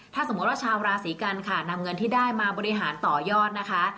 ถ้าสมมุติว่าชาวราศีกันค่ะนำเงินที่ได้มาบริหารต่อยอดนะคะ